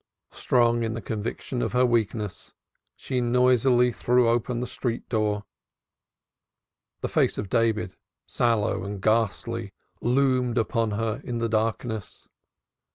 Strong in the conviction of her weakness she noisily threw open the street door. The face of David, sallow and ghastly, loomed upon her in the darkness.